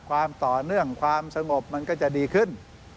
ความต่อเนื่องความสงบมันก็จะดีขึ้น